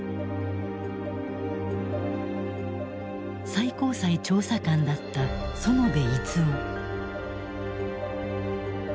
最高裁調査官だった園部逸夫。